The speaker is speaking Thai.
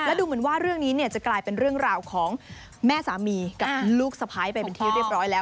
ดูเหมือนว่าเรื่องนี้เนี่ยจะกลายเป็นเรื่องราวของแม่สามีกับลูกสะพ้ายไปเป็นที่เรียบร้อยแล้ว